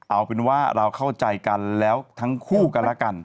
เอาเป็นว่าเราเข้าใจกันแล้วทั้งคู่กันแล้วกัน